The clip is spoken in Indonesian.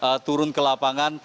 mulai turun ke lapangan